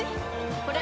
これ！